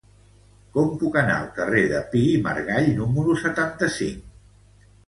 Com puc anar al carrer de Pi i Margall número setanta-cinc?